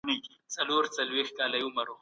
هیله ده چي ګټورې وي.